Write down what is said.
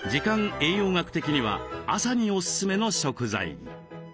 栄養学的には朝にオススメの食材。